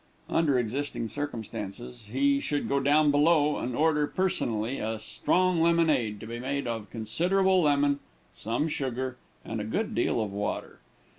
Under existing circumstances, he should go down below and order personally a strong lemonade, to be made of considerable lemon, some sugar, and a good deal of water.